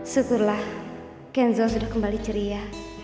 setelah kenzo sudah kembali ceria